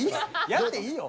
やっていいよ。